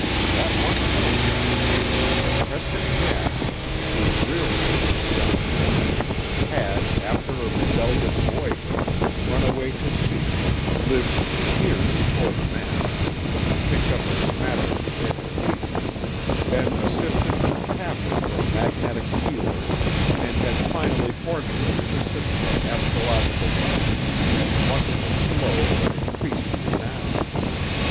That one paragraph stated that Preston Jax, whose real name was John Preston, had, after a rebellious boyhood, run away to sea, lived two years before the mast, picked up a smattering of education, been assistant and capper for a magnetic healer, and had finally formulated a system of astrological prophecy that won him a slow but increasing renown.